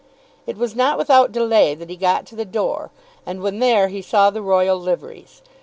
It was not without delay that he got to the door, and when there he saw the royal liveries.